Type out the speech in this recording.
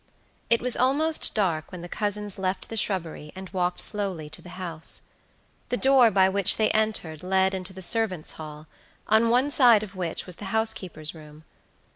It was almost dark when the cousins left the shrubbery and walked slowly to the house. The door by which they entered led into the servants' hall, on one side of which was the housekeeper's room.